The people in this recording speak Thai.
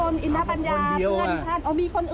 มีน้องชายท่านด้วย